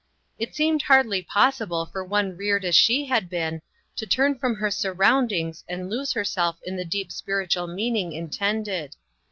it seemed hardly possible for one reared as she had been, to turn from her surroundings and lose herself in the deep spiritual mean ing intended.